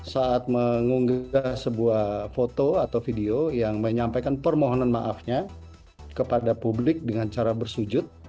saat mengunggah sebuah foto atau video yang menyampaikan permohonan maafnya kepada publik dengan cara bersujud